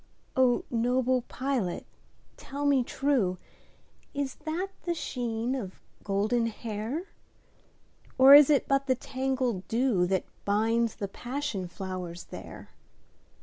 O noble pilot tell me trueIs that the sheen of golden hair? Or is it but the tangled dewThat binds the passion flowers there?